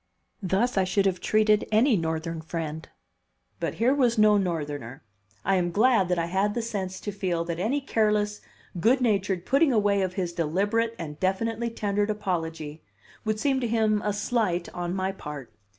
Thus I should have treated any Northern friend; but here was no Northerner. I am glad that I had the sense to feel that any careless, good natured putting away of his deliberate and definitely tendered apology would seem to him a "slight" on my part.